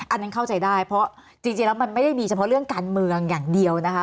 อันนั้นเข้าใจได้เพราะจริงแล้วมันไม่ได้มีเฉพาะเรื่องการเมืองอย่างเดียวนะคะ